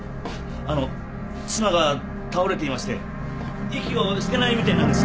あの妻が倒れていまして息をしてないみたいなんです